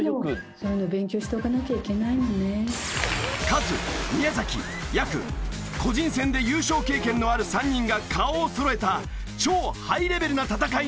カズ宮崎やく個人戦で優勝経験のある３人が顔をそろえた超ハイレベルな戦いの行方は？